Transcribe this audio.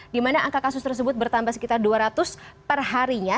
di mana angka kasus tersebut bertambah sekitar dua ratus perharinya